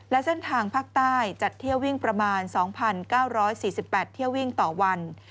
และเส้นทางภาคใต้จัดเที่ยววิ่งประมาณ๒๙๔๘เที่ยววิ่งต่อวัน